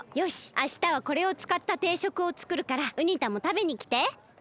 あしたはこれをつかったていしょくをつくるからウニ太もたべにきて。